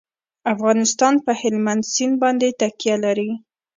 افغانستان په هلمند سیند باندې تکیه لري.